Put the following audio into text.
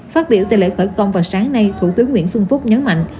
phát biểu tại lễ khởi công vào sáng nay thủ tướng nguyễn xuân phúc nhấn mạnh